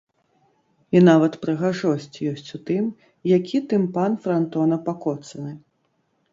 І нават прыгажосць ёсць у тым, які тымпан франтона пакоцаны!